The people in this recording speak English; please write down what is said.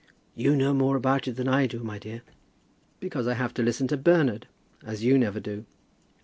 "You know more about it than I do, my dear." "Because I have to listen to Bernard, as you never will do.